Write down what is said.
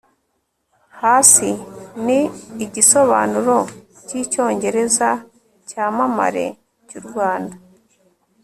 hasi ni igisobanuro cyicyongereza cyamamare cyu rwanda